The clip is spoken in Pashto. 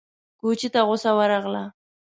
کوچي ته غوسه ورغله!